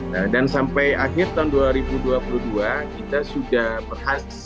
ketua sampah kementerian lingkungan hidup dan kehutanan klhk sekaligus sekretaris satu